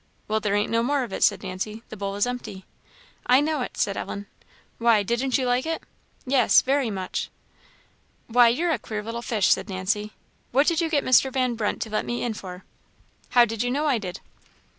"Well, there ain't no more of it," said Nancy. "The bowl is empty." "I know it," said Ellen. "Why, didn't you like it?" "Yes very much." "Why, you're a queer little fish," said Nancy. "What did you get Mr. Van Brunt to let me in for?" "How did you know I did?"